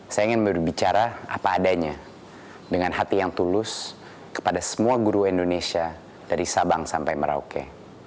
saya ingin berbicara apa adanya dengan hati yang tulus kepada semua guru indonesia dari sabang sampai merauke